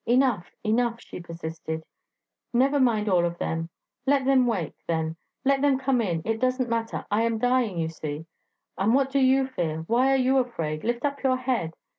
'Enough, enough!' she persisted; 'never mind all of them; let them wake, then; let them come in it does not matter; I am dying, you see... And what do you fear? why are you afraid? Lift up your head...